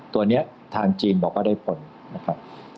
ตัวนี้ทางจีนบอกว่าได้ผลนะครับ